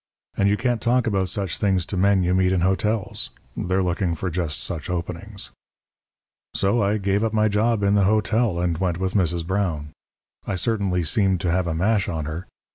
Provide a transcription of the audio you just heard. And you can't talk about such things to men you meet in hotels they're looking for just such openings. "So I gave up my job in the hotel and went with Mrs. Brown. I certainly seemed to have a mash on her.